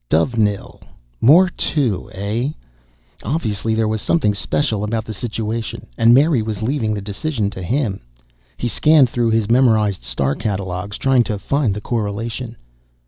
Dovenil. Moore II, eh? Obviously, there was something special about the situation, and Mary was leaving the decision to him. He scanned through his memorized star catalogues, trying to find the correlation.